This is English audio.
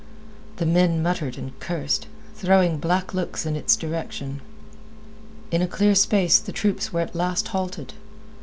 The men muttered and cursed, throwing black looks in its direction. In a clear space the troops were at last halted.